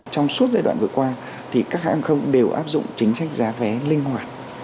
trong suốt giai đoạn vừa qua các hãng không đều áp dụng chính sách giá vé linh hoạt